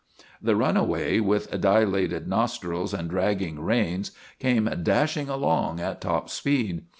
The runaway, with dilated nostrils and dragging reins, came dashing along at top speed.